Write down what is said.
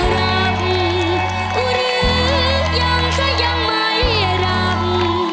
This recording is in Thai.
รับหรือยังซะยังไม่รับ